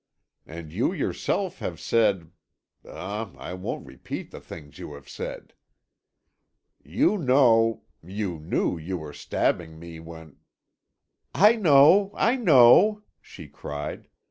And you yourself have said—ah, I won't repeat the things you have said. You know—you knew you were stabbing me when——" "I know, I know!" she cried.